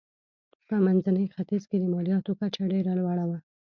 په منځني ختیځ کې د مالیاتو کچه ډېره لوړه وه.